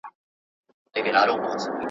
د دنیا له هر قدرت سره په جنګ یو.